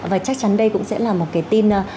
và chắc chắn đây cũng sẽ là một cái tin